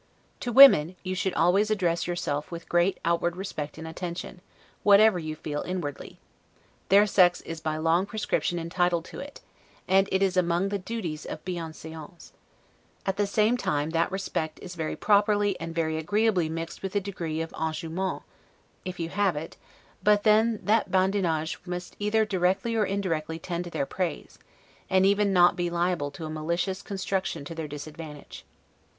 To women you should always address yourself with great outward respect and attention, whatever you feel inwardly; their sex is by long prescription entitled to it; and it is among the duties of 'bienseance'; at the same time that respect is very properly and very agreeably mixed with a degree of 'enjouement', if you have it; but then, that badinage must either directly or indirectly tend to their praise, and even not be liable to a malicious construction to their disadvantage.